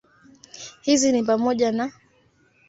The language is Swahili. Hizi ni pamoja na